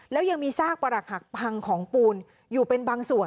แล้วยังมีซากประหลักหักพังของปูนอยู่เป็นบางส่วน